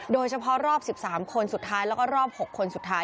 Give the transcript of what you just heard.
โดยเฉพาะรอบ๑๓คนสุดท้ายแล้วก็รอบ๖คนสุดท้าย